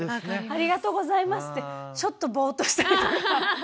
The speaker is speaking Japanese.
「ありがとうございます」ってちょっとボーっとしたりとか。